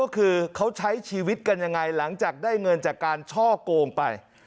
คือเขาใช้ชีวิตกันยังไงหลังจากได้เงินจากการช่อโกงไป